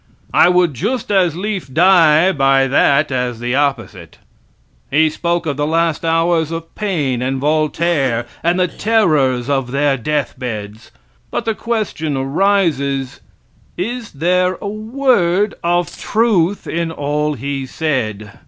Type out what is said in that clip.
I would just as lief die by that as the opposite. He spoke of the last hours of Paine and Voltaire and the terrors of their death beds; but the question arises, is there a word of truth in all he said?